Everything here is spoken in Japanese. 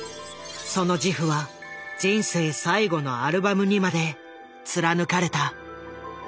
その自負は人生最後のアルバムにまで貫かれた。